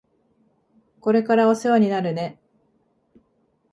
これからお世話になるね。